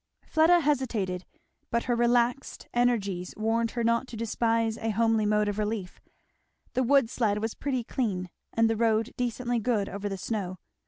Fleda hesitated, but her relaxed energies warned her not to despise a homely mode of relief. The wood sled was pretty clean, and the road decently good over the snow.